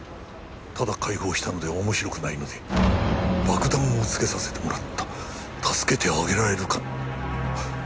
「ただ解放したのでは面白くないので爆弾をつけさせて貰った。助けてあげられるかな」！